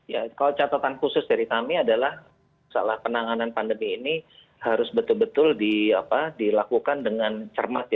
ya kalau catatan khusus dari kami adalah salah penanganan pandemi ini harus betul betul dilakukan dengan cermat ya